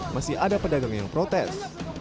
masih ada pedagang yang protes